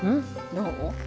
どう？